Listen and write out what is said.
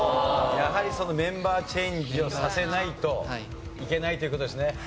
やはりそのメンバーチェンジをさせないといけないという事ですね。